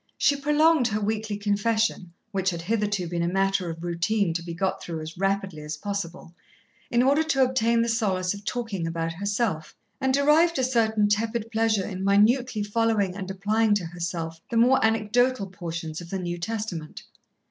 She prolonged her weekly confession, which had hitherto been a matter of routine to be got through as rapidly as possible, in order to obtain the solace of talking about herself, and derived a certain tepid pleasure in minutely following and applying to herself the more anecdotal portions of the New Testament.